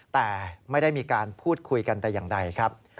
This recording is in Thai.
แต่ไม่ได้มีการพูดคุยกันแต่อย่างใดครับ